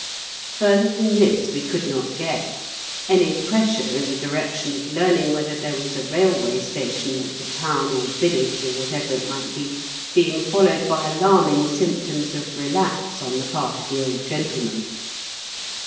Further than this we could not get, any pressure in the direction of learning whether there was a railway station at the town or village, or whatever it might be, being followed by alarming symptoms of relapse on the part of the old gentleman.